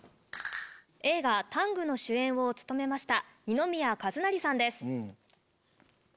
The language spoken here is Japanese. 映画『ＴＡＮＧタング』の主演を務めました二宮和也さんです。